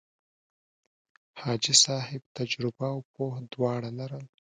حاجي صاحب تجربه او پوه دواړه لرل.